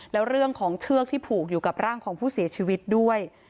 แล้วเรื่องของเชือกที่ผูกอยู่กับร่างของผู้เสียชีวิตด้วย